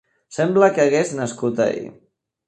Sembla que hagués nascut ahir.